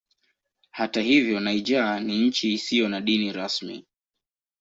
Hata hivyo Niger ni nchi isiyo na dini rasmi.